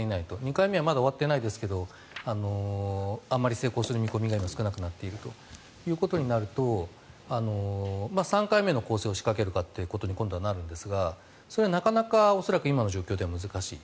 ２回目はまだ終わっていないですがあんまり成功する見込みが今、少なくなっているということになると３回目の攻勢を仕掛けるかということに今度はなるんですがそれはなかなか恐らく今の状況では難しい。